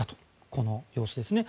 この様子ですね。